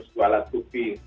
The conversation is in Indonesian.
sebuah alat bukti